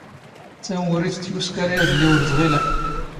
ⵜⴰⵡⵓⵔⵉ ⵜⴻⵜⵜⵢⵓⵙⴽⴰⵔ ⵢⴰⴷⵍⵍⵉ ⵓⵔ ⴷ ⵖⵉⵍⴰ.